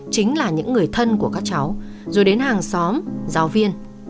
chính là những người thân của các cháu rồi đến hàng xóm giáo viên